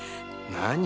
何？